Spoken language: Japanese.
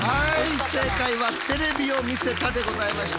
正解はテレビを見せたでございました。